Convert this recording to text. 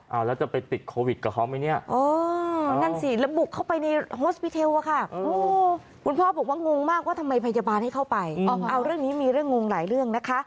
เอาเรื่องนี้มีเรื่องงงหลายเรื่องนะคะ